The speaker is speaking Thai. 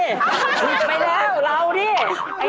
ผิดไปแล้วเราดิ